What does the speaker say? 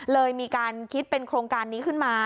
เลยมีการคิดเป็นโครงการนี้ขึ้นมา